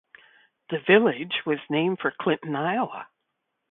The village was named for Clinton, Iowa.